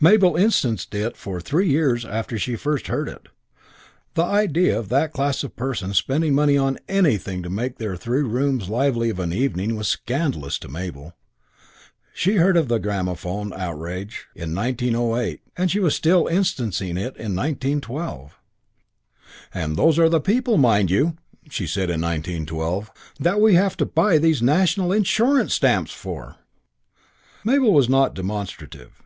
Mabel instanced it for years after she first heard it. The idea of that class of person spending money on anything to make their three rooms lively of an evening was scandalous to Mabel. She heard of the gramophone outrage in 1908 and she was still instancing it in 1912. "And those are the people, mind you," she said in 1912, "that we have to buy these National Insurance stamps for!" III Mabel was not demonstrative.